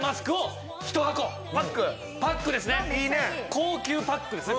高級パックですね。